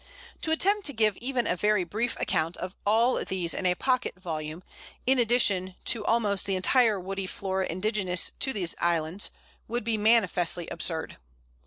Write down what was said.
To attempt to give even a very brief account of all these in a pocket volume, in addition to almost the entire woody Flora indigenous to these islands, would be manifestly absurd.